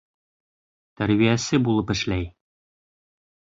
Тәрбиәсе булып эшләй